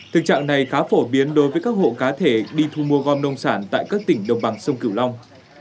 thực trạng này khá phổ biến đối với các hộ cá thể đi thu mua gom nông sản tại các tỉnh đồng bằng sông cửu long